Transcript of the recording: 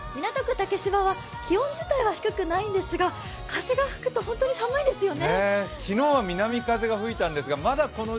竹芝は気温自体は低くないんですが風が吹くと本当に寒いですよね。